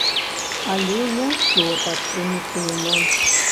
Але не ўсё так прымітыўна.